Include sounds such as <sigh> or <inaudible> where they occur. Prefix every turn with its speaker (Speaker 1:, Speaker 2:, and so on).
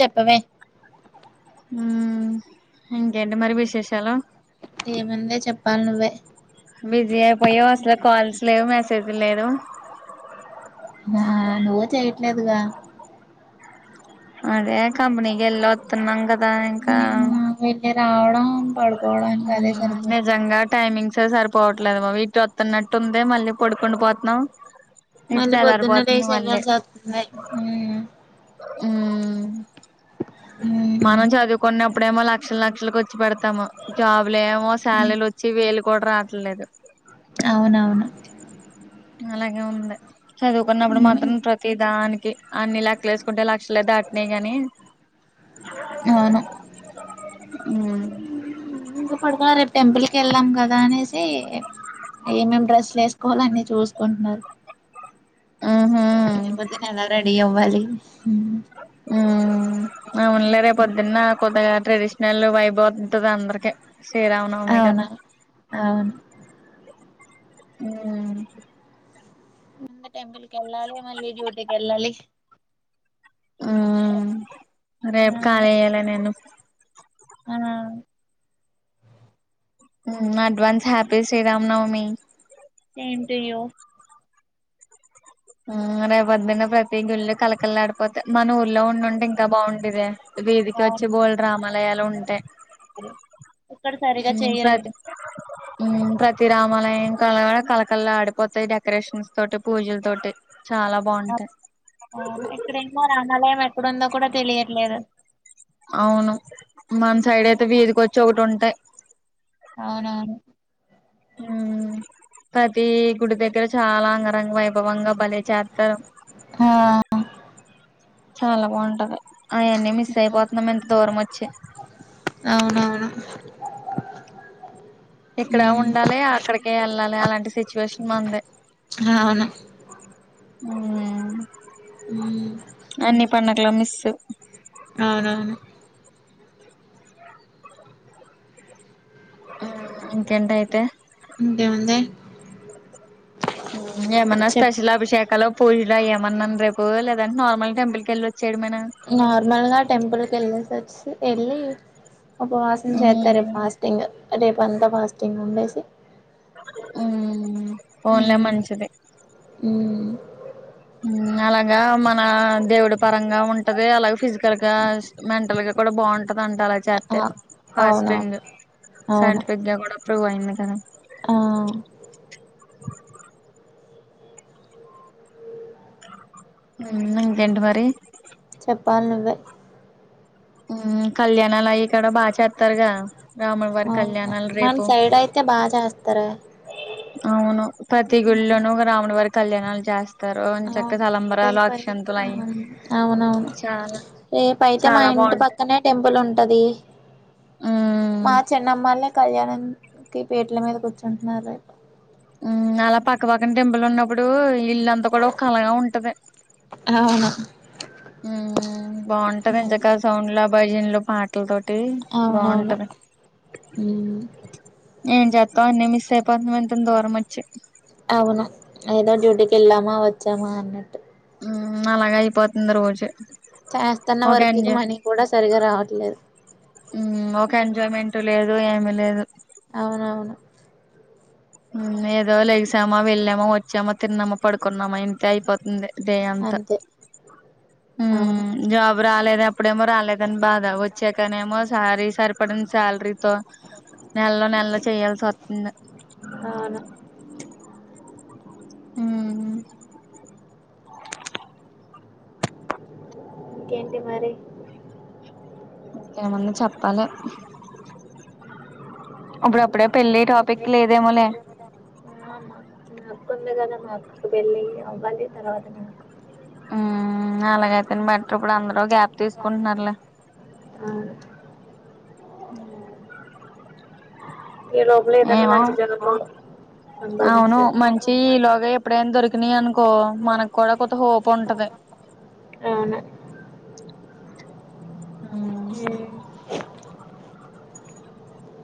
Speaker 1: చెప్పవే
Speaker 2: ఇంకేంటి మరి విశేషాలు
Speaker 1: ఏమందే చెప్పాలి నువ్వే
Speaker 2: బిజీ అయిపోయావ్ అసలు కాల్ల్స్ లేవు మెస్సేజ్ లేదు
Speaker 1: ఆ నువ్వు చెయట్లేదుగా
Speaker 2: అదే కంపెనీ గెల్లోత్తన్నంగా గా ఇంకా
Speaker 1: నేను వెళ్ళి రావడం పడుకోవడం
Speaker 2: నిజంగా టైమింగ్ సే సరిపోవట్లేదు మ బిడ్డొత్తున్నట్టుంది మళ్ళీ పడుకుండి పోతున్నాం ఇటు
Speaker 1: మళ్ళీ
Speaker 2: తెల్లారిపోతుంది
Speaker 1: పొద్దునేలేసి
Speaker 2: మళ్ళీ
Speaker 1: ఎల్లసివస్తుంది
Speaker 2: ఆఆ మనం చదువుకున్నప్పుడేమో లక్షల లక్షలు ఖర్చుపెడతాము జాబ్ లేమో సాలరీలు వచ్చేవి వేలు కూడ రాట్లేదు
Speaker 1: అవునవును
Speaker 2: అలాగే ఉంది చదువుకున్నప్పుడు మాత్రం ప్రతి దానికి అన్ని లెక్కలేసుకుంటే లక్షలే దాటినాయి కాని
Speaker 1: అవును
Speaker 2: అ
Speaker 1: పడుకాల <unintelligible> రేపు టెంపుల్ కి వెళ్ళాం కదా అనేసి ఏమేం డ్రెస్లు వేసుకోవాల అన్నీ చూసుకుంటున్నారు
Speaker 2: ఊహూ
Speaker 1: అయిపోతే నేను రెడి అవ్వలి అే <inaudible>
Speaker 2: ఆహ్ అవున్లే రేప్పొద్దున కొత్తగా ట్రెడిషనల్ వైబ్ అవుతాది అందరిక
Speaker 1: అవును అవును
Speaker 2: ఆ
Speaker 1: ముందు టెంపుల్కెళ్ళాలి మళ్ళీ డ్యూటీకెళ్ళాలి
Speaker 2: ఆహ్ రేప్ కాలియేలే నేను
Speaker 1: ఆ
Speaker 2: advance happy Srirama Navami
Speaker 1: same two you
Speaker 2: రేపు పద్దున్న ప్రతి గుళ్ళు కలకళలాడిపోతాయి మన ఊర్లో ఉండుంటే ఇంకా బాగుండేదే వీధికి వచ్చి
Speaker 1: అవును
Speaker 2: బోల్డ్ రామాలయాలు ఉంటాయి
Speaker 1: ఇక్కడ సరిగా చెయ్యరు
Speaker 2: ప్రతి ఉహ్ ప్రతి రామాలయం కడా కలకళ ఆడిపోతాయి డెకొరేషన్స్ తోటి పూజల తోటి చాలా బాగుంటాయి
Speaker 1: ఇక్కడేమో రామాలయం ఎక్క ఎక్కడుందో కూడా తెలియట్లేదు
Speaker 2: అవును మన సైడ్ అయితే వీధికొచ్చి ఒకటి ఉంటె అట్ట
Speaker 1: అవునవును
Speaker 2: ఊహ్ ప్రతి గుడి దగ్గర చాలా అంగ రంగవైబవంగ భలే చెత్తారు
Speaker 1: ఆ
Speaker 2: చాలా బాగుంటది అవన్నీ మిస్ అయిపోతున్నాం ఇంత దూరం వచ్చి
Speaker 1: అవునవును
Speaker 2: ఇక్కడ
Speaker 1: మ్మ్
Speaker 2: ఉండాలి అక్కడికే వెళ్ళాలి అలాంటి సిచ్యువేషన్ మందే
Speaker 1: అవును
Speaker 2: ఆ
Speaker 1: ఆ
Speaker 2: కలా మస్
Speaker 1: అవునవును
Speaker 2: ఇంకెంట అయితే
Speaker 1: ఇంటేముంది
Speaker 2: ఏమన్నా స్పెషల్ అభిషేకాల పూజలు అ ఏమన్నా రేపు లేదంటే నార్మల్గా టెంపుల్ క వెళ్ళలి వచ్చేయమ
Speaker 1: నార్మల్ గా టెంపుల్ క వెళ్ళసి వచ్చి వెళ్ళి అప్పు వాసం చేర్తారు
Speaker 2: ఉమ్
Speaker 1: ఫాస్టింగ్ రేపు అంతా ఫాస్టింగ్ ఉండేసి
Speaker 2: పోన్లా మంచింది
Speaker 1: హమ్
Speaker 2: అలాగా మన దేవుడి పరంగా ఉంటది అలాగ ఫిజికల్ గా మెంటల్ గా కూడా బాగుంటది దంట అలా చేస్త హాస్టంగ్
Speaker 1: అవునవును అవును
Speaker 2: సైంటిఫిక్ గా కూడా ఇప్పుయిందుక
Speaker 1: ఆ
Speaker 2: నం గెంట మరి
Speaker 1: చెప్పాలి నువ్వే
Speaker 2: కళ్యాణాల ఇక్కడ బాగా చేస్తారుగా రాముల వారి
Speaker 1: అవు
Speaker 2: కళ్యాణాలు రేపు
Speaker 1: మన్ సైడ్ అయితే బా చేస్తార
Speaker 2: అవును పతి గుళ్ళను రావణ వర్గ కళ్యాణాలు జాస్తతి
Speaker 1: అవును రేపుయివు
Speaker 2: అయి
Speaker 1: అవునవును
Speaker 2: చాలా
Speaker 1: రేపు అయితే మా
Speaker 2: చాలా
Speaker 1: ఇంటి
Speaker 2: బాగుంటాయి
Speaker 1: పక్కనే టెంపుల్ ఉంటు ఉంటది
Speaker 2: ఉమ్
Speaker 1: మా చెన్నమ్మల్ని కళ్యాణం కి పేట్ల మీద కూర్చుంటున్నారు ర
Speaker 2: అలా పక్క పక్కన టెంపుల్ ఉన్నప్పుడు ఇల్లుంతా కూడా ఒక కలగా ఉంటది
Speaker 1: అవును
Speaker 2: ఉ బాగుంటది ఇంతకాదు సౌండ్ లా భజనలు పాటలతోటి
Speaker 1: అవునవును
Speaker 2: బాగుంటది నేం చేస్తా అన్నీ మిస్ అయిపోతుంత దూరం వచ్చి
Speaker 1: అవునా ఏఐదో డ్యూటీకి వెళ్ళామా వచ్చామా అన్నట్టు
Speaker 2: హ్ అలాగ అయిపోతుంది రోజు
Speaker 1: చేస్తున్న
Speaker 2: ఒక
Speaker 1: వరకు
Speaker 2: ఎంజాయ్
Speaker 1: మనీ కూడా సరిగా రావట్లేదు
Speaker 2: ఒక ఎంజాయ్మెంట్ లేదు ఏమి లేదు
Speaker 1: అవునవును
Speaker 2: ఏదో లెగసామా వెళ్ళామా వచ్చామ తిన్నామా పడుకున్నామా ఇంతే అయిపోత ఉందే దే అంత
Speaker 1: అంతే
Speaker 2: హు
Speaker 1: అవును
Speaker 2: జాబ్ రాలేదు అప్పుడేమో రాలేదని బాధ వచ్చా నేనే మో సారి సార్ పడింది శాలరీతో నెల్లో నెల్లో చేయాల్సి వస్తుంది
Speaker 1: అవును
Speaker 2: హు హు
Speaker 1: ఇంకేంటి మరి
Speaker 2: ఏమన్నా చెప్పాలె అప్పుడపు
Speaker 1: పెళ్లి టాపిక్ లేదేమోలే హు అమ్మ ఉంది కదా మా అక్క పెళ్లి అవ్వాలి తర్వాత నాకు
Speaker 2: ఉమ్ అలాగైతేని బెటర్ ఇప్పుడు అందరూ గ్యాప్ తీసుకుంటున్నారులే
Speaker 1: అవును
Speaker 2: ఉ ఏమో అవును
Speaker 1: సంపాదించాలి
Speaker 2: మంచి ఈ లోగా ఎప్పుడైనా దొరికినయి అనుకో మనకు కూడా కొత్త హోప్ ఉంటది హ్